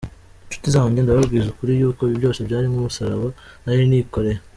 Nshuti zanjye, ndababwiza ukuri yuko ibi byose byari nk’umusaraba nari nikoreye.